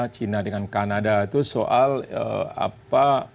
china dengan kanada itu soal apa